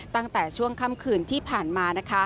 ตั้งแต่ช่วงค่ำคืนที่ผ่านมา